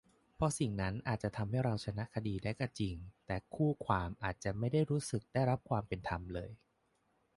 เพราะสิ่งนั้นอาจจะทำให้เราชนะคดีได้ก็จริง แต่คู่ความอาจจะไม่ได้รู้สึกได้รับความเป็นธรรมเลย